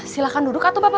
silahkan duduk atu papa